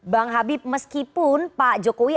bang habib meskipun pak jokowi